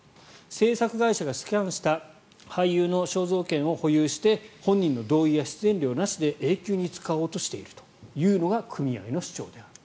制作会社がスキャンした俳優の肖像権を保有して本人の同意や出演料なしで永久に使おうとしているというのが組合の主張である。